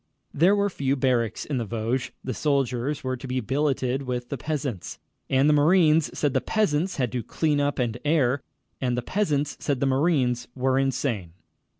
There were few barracks in the Vosges. The soldiers were to be billeted with the peasants. And the marines said the peasants had to clean up and air, and the peasants said the marines were insane.